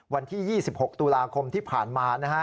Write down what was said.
วันที่๒๖ตุลาคมที่ผ่านมานะฮะ